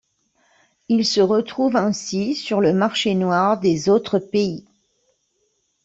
Il se retrouve ainsi sur le marché noir des autres pays.